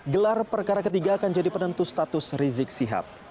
gelar perkara ketiga akan jadi penentu status rizik sihab